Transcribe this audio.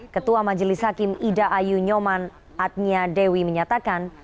ketua majelis hakim ida ayu nyoman atnia dewi menyatakan